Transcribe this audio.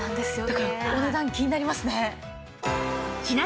だからお値段気になりますね。